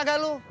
puasa gak lu